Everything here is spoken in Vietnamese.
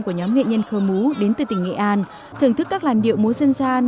của nhóm nghệ nhân khơ mú đến từ tỉnh nghệ an thưởng thức các làn điệu múa dân gian